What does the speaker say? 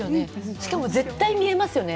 しかも絶対、見えますよね。